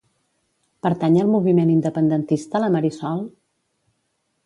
Pertany al moviment independentista la Marisol?